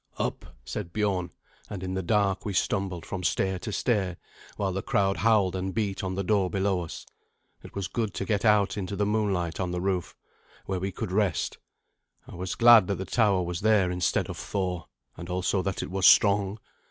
"Up," said Biorn; and in the dark we stumbled from stair to stair, while the crowd howled and beat on the door below us. It was good to get out into the moonlight on the roof, where we could rest. I was glad that the tower was there instead of Thor, and also that it was strong.